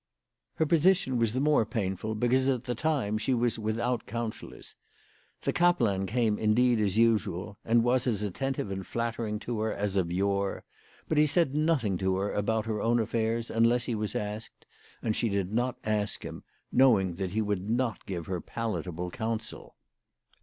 Her position was the more painful because at the time she was without counsellors. The kaplan came indeed as usual, and was as attentive and flattering to her as of yore ; but he said nothing to her about her own affairs unless he was asked ; and she did not ask him, knowing that he tfould not give her palatable counsel.